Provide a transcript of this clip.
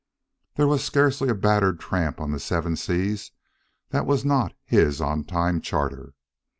There was scarcely a battered tramp on the Seven Seas that was not his on time charter.